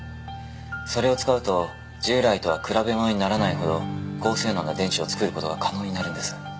それを使うと従来とは比べ物にならないほど高性能な電池を作る事が可能になるんです。